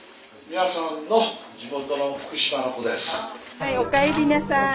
はいおかえりなさい。